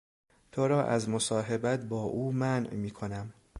تو را از مصاحبت با او منع میکنم.